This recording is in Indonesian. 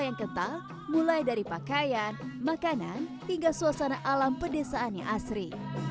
yang kental mulai dari pakaian makanan hingga suasana alam pedesaan yang asri